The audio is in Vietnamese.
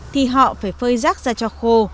thì họ phải phơi rác ra cho khô